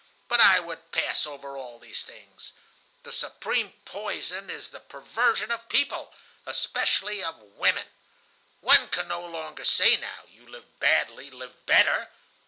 But I would pass over all these things. The supreme poison is the perversion of people, especially of women. One can no longer say now: 'You live badly, live better.